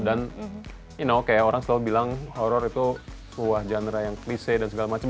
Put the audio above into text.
dan you know kayak orang selalu bilang horror itu sebuah genre yang klise dan segala macam